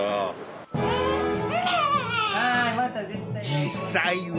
実際は。